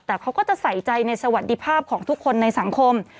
แต่เขาก็จะใส่ใจในสวัสดิภาพของทุกคนในสังคม